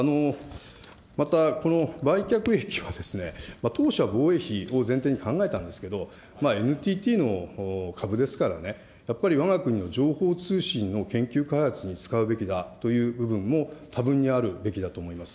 またこの売却益は当初は防衛費を前提に考えたんですけれども、ＮＴＴの株ですからね、やっぱりわが国の情報通信の研究開発に使うべきだという部分も多分にあるべきだと思います。